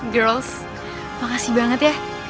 girls makasih banget ya